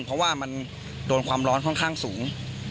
เพราะว่ามันโดนความร้อนค่อนข้างสูง